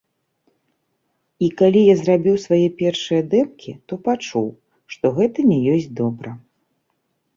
І калі я зрабіў свае першыя дэмкі, то пачуў, што гэта не ёсць добра.